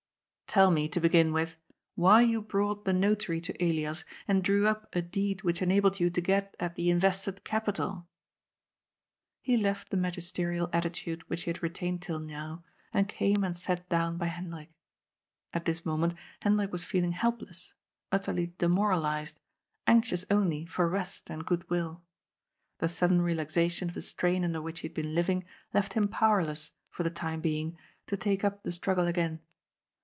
Tell me, to begin with, why you brought the Notary to Elias and drew up a deed which enabled you to get at the invested capital." He left the magisterial atti tude which he had retained till now, and came and sat down by Hendrik. At this moment Hendrik was feeling helpless, utterly *' demoralized," anxious only for rest and good will. The sudden relaxation of the strain under which he had been living left him powerless, for the time being, to take up the struggle again.